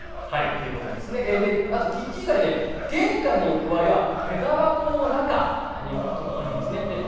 で、あとキッチン以外で玄関に置く場合は下駄箱の中に置くことがいいです。